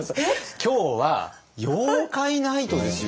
今日は妖怪ナイトですよ？